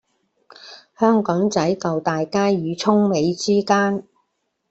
香港仔舊大街與涌尾之間